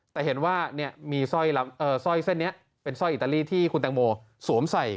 แต่เห็นว่ามีสร้อยเส้นนี้เป็นสร้อยอิตาลีที่คุณแตงโมสวมใส่